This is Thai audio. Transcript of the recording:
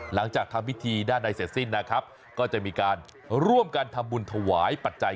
หลังจากทำพิธีด้านในเสร็จสิ้นนะครับก็จะมีการร่วมกันทำบุญถวายปัจจัย